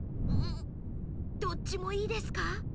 どっちもいいですか？